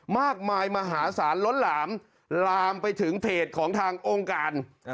มากมายมหาศาลล้นหลามลามไปถึงเพจของทางองค์การ